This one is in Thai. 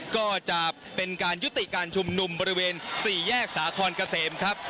ก็จะเป็นการยุติการชุมนุมบริเวณ๔แยกสาคอนเกษมครับ